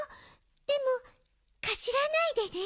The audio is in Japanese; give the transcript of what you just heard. でもかじらないでね。